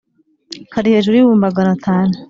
Kari hejuru y’ibihumbi magana atanu